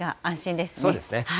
そうですね。